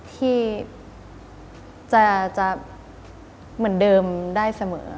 ที่จะเหมือนเดิมได้เสมอ